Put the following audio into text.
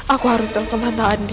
aku harus telpon tandaan bis